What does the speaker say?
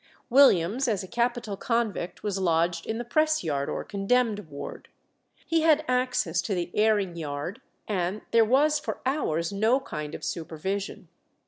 Williams as a capital convict was lodged in the press yard or condemned ward. He had access to the airing yard, and there was for hours no kind of supervision.